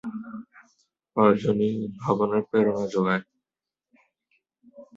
প্রয়োজনই উদ্ভাবনের প্রেরণা যোগায়।